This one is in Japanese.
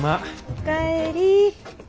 お帰り。